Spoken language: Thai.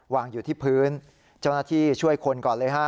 วางอยู่ที่พื้นเจ้าหน้าที่ช่วยคนก่อนเลยฮะ